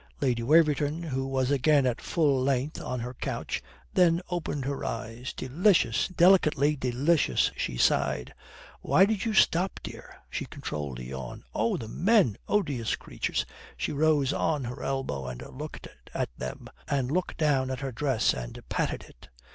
Lady Waverton, who was again at full length on her couch, then opened her eyes. "Delicious, delicately delicious," she sighed. "Why did you stop, dear?" she controlled a yawn. "Oh, the men! Odious creatures!" she rose on her elbow and looked at them, and looked down at her dress and patted it.